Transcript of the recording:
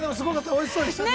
おいしそうでしたね。